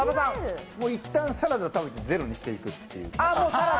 いったんサラダ食べてゼロにしていく。